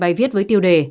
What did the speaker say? quay viết với tiêu đề